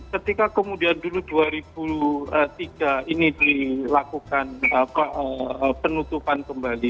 ketika kemudian dulu dua ribu tiga ini dilakukan penutupan kembali